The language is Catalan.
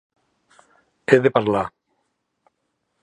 He de parlar.